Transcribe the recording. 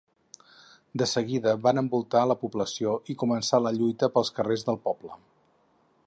De seguida van envoltar la població i començà la lluita pels carrers del poble.